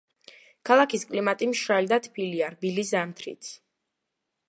ქალაქის კლიმატი მშრალი და თბილია, რბილი ზამთრით.